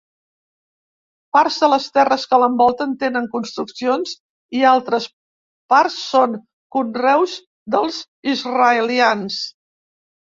Parts de les terres que l'envolten tenen construccions i altres parts són conreus dels israelians.